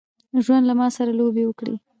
ژوند له ماسره لوبي وکړي.